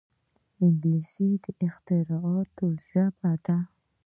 انګلیسي د اختراعاتو ژبه ده